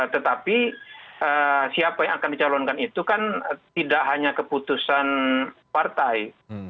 tetapi siapa yang akan dicalonkan itu kan tidak hanya keputusan partai